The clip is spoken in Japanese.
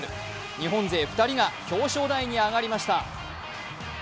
日本勢２人が表彰台に上がりました。